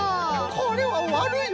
これはわるいよ